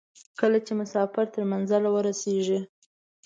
خو کله چې مسافر تر منزل ورسېږي.